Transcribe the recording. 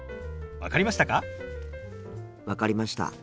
分かりました。